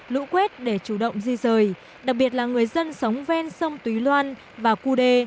lũ quét để chủ động di rời đặc biệt là người dân sống ven sông túy loan và cu đê